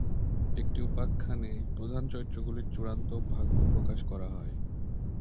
একটি উপাখ্যানে, প্রধান চরিত্রগুলির চূড়ান্ত ভাগ্য প্রকাশ করা হয়।